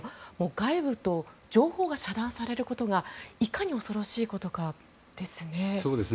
外部と情報が遮断されることがいかに恐ろしいことかですね。